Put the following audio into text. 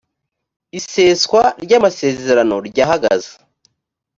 iseswa ryamasezerano ryahagaze.